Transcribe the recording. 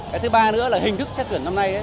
cái thứ ba nữa là hình thức xét tuyển năm nay